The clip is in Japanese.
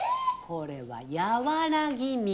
これは和らぎ水。